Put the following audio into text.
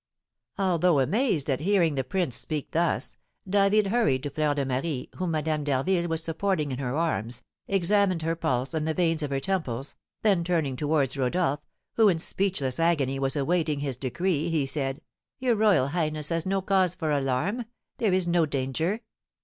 Although amazed at hearing the prince speak thus, David hurried to Fleur de Marie, whom Madame d'Harville was supporting in her arms, examined her pulse and the veins of her temples, then turning towards Rodolph, who in speechless agony was awaiting his decree, he said: "Your royal highness has no cause for alarm; there is no danger."